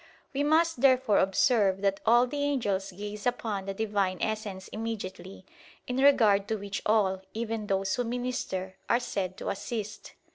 We must therefore observe that all the angels gaze upon the Divine Essence immediately; in regard to which all, even those who minister, are said to assist.